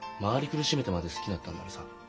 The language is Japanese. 苦しめてまで好きだったんならさ